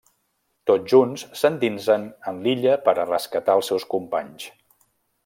Tots junts s'endinsen en l'illa per a rescatar els seus companys.